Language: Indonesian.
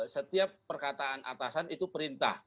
setiap perkataan atasan itu perintah